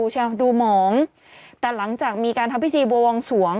ดูหมองแต่หลังจากมีการทำพิธีบัววงสวง